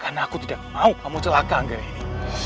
karena aku tidak mau kamu celaka angga ini